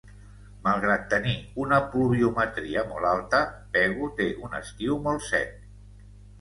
Malgrat tenir una pluviometria molt alta, Pego té un estiu molt sec.